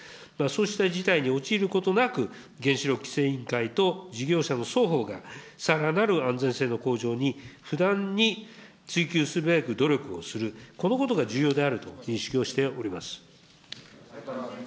そうした事態に陥ることなく、原子力規制委員会と事業者の双方が、さらなる安全性の向上に不断に追求するべく努力をする、このことが重要であると、認識をしております。